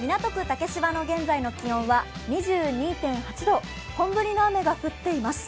竹芝の現在の気温は２２．８度、本降りの雨が降っています。